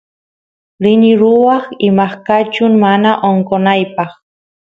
rini ruwaq imaqkachun mana onqonaypaq